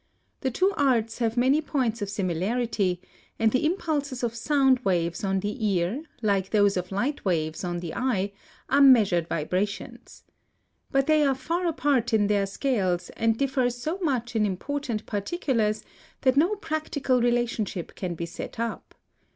The two arts have many points of similarity; and the impulses of sound waves on the ear, like those of light waves on the eye, are measured vibrations. But they are far apart in their scales, and differ so much in important particulars that no practical relationship can be set up.